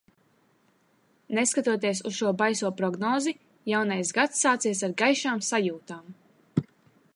Neskatoties uz šo baiso prognozi, jaunais gads sācies ar gaišām sajūtām.